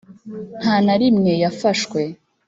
nta na rimwe yafashwe.